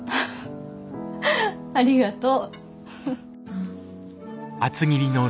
ありがとう。